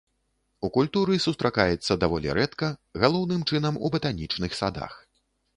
У культуры сустракаецца даволі рэдка, галоўным чынам у батанічных садах.